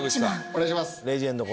お願いします！